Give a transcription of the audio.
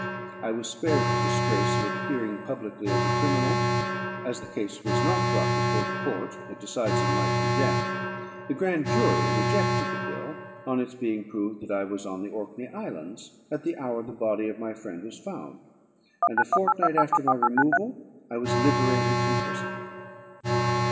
I was spared the disgrace of appearing publicly as a criminal, as the case was not brought before the court that decides on life and death. The grand jury rejected the bill, on its being proved that I was on the Orkney Islands at the hour the body of my friend was found; and a fortnight after my removal I was liberated from prison.